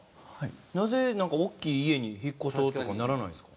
なぜ大きい家に引っ越そうとかならないんですか？